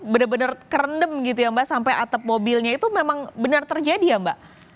benar benar kerendam gitu ya mbak sampai atap mobilnya itu memang benar terjadi ya mbak